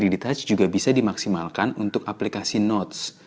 tiga d touch juga bisa dimaksimalkan untuk aplikasi notes